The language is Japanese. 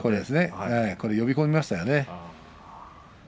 呼び込みましたよね。